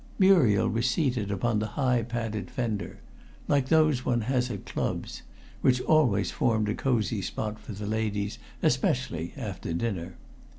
Muriel was seated upon the high padded fender like those one has at clubs which always formed a cosy spot for the ladies, especially after dinner.